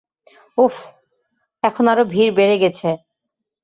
উফ, এখন আরো ভিড় বেড়ে গেছে।